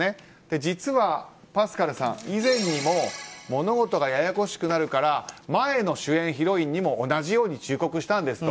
実はパスカルさん、以前にも物事がややこしくなるから前の主演、ヒロインにも同じように忠告したんですと。